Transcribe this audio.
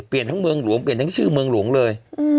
ทั้งเมืองหลวงเปลี่ยนทั้งชื่อเมืองหลวงเลย